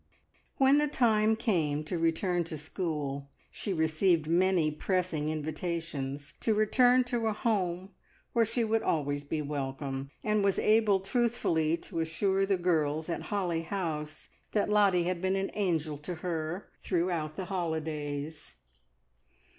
When the time came to return to school, she received many pressing invitations to return to a home where she would always be welcome, and was able truthfully to assure the girls at Holly House that Lottie had been "an angel" to her throughout the holidays.